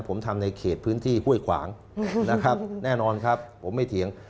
ผมทำในเขตพื้นที่ห้วยขวางนะครับแน่นอนครับผมไม่เถียง